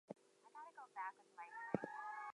Flowers may be and white with pinkish margins.